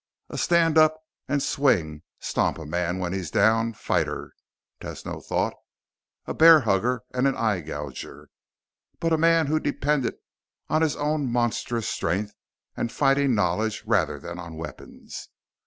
A stand up and swing, stomp a man when he's down fighter, Tesno thought. A bear hugger and an eye gouger. But a man who depended on his own monstrous strength and fighting knowledge rather than on weapons.